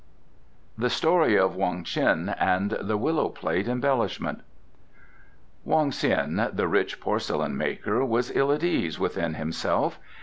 The Story of Wong Ts'in and the Willow Plate Embellishment Wong Ts'in, the rich porcelain maker, was ill at ease within himself.